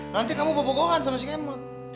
nanti kamu bobo gohan sama si kemot